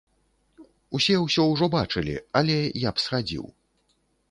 Усе ўсё ўжо бачылі, але я б схадзіў.